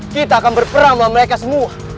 kita akan berperang sama mereka semua